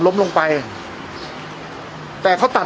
เมื่อ